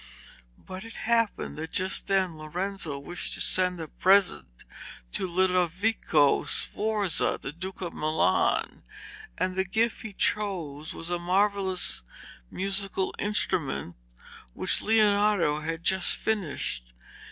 But it happened that just then Lorenzo wished to send a present to Ludovico Sforza, the Duke of Milan, and the gift he chose was a marvellous musical instrument which Leonardo had just finished.